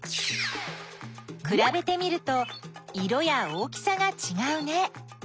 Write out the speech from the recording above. くらべてみると色や大きさがちがうね。